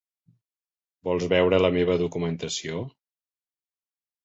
Vols veure la meva documentació?